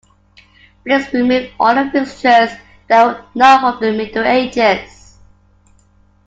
Blix removed all the fixtures that were not from the Middle Ages.